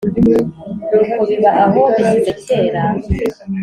Nuko biba aho bishyize kera